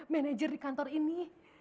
manager di kantor ini